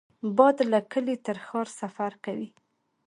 باد له کلي تر ښار سفر کوي